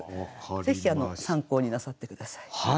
ぜひ参考になさって下さい。